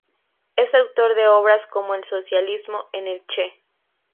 Es autor de obras como "El Socialismo en el Che.